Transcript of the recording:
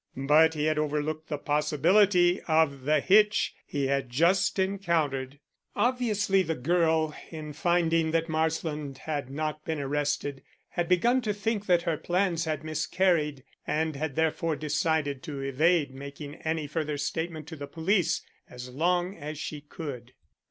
But he had overlooked the possibility of the hitch he had just encountered. Obviously the girl, in finding that Marsland had not been arrested, had begun to think that her plans had miscarried and had therefore decided to evade making any further statement to the police as long as she could.